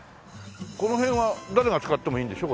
この辺は誰が使ってもいいんでしょ？